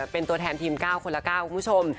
เป็นตัวแทนทีม๙คนละ๙คุณผู้ชม